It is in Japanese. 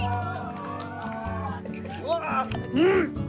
うん！